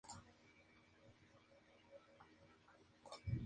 Se encuentra en el Vietnam, sudeste de Tailandia y suroeste de Camboya.